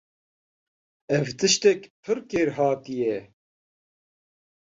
Ev tiştekî pir kêrhatî ye.